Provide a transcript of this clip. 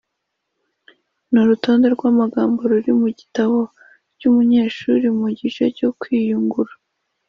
n’urutonde rw’amagambo ruri mu gitabo cy’umunyeshuri mu gice cyo kwiyungura